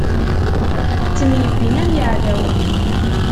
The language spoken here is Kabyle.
Ttemyebbin am iɛdawen.